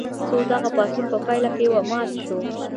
خو دغه پاڅون په پایله کې مات شو.